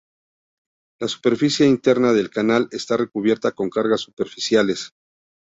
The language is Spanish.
La superficie interna del canal está recubierta con cargas superficiales.